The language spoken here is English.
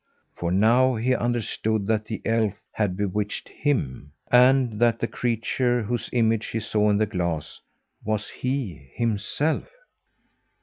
For now he understood that the elf had bewitched him, and that the creature whose image he saw in the glass was he, himself.